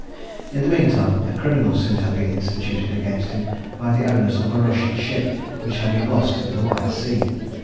In the mean time, a criminal suit had been instituted against him by the owners of a Russian ship which had been lost in the White Sea.